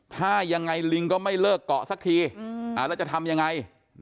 ถ้ายังไงลิงก็ไม่เลิกเกาะสักทีแล้วจะทำยังไง